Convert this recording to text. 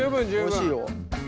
おいしいよ。